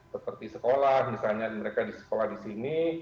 seperti sekolah misalnya mereka di sekolah di sini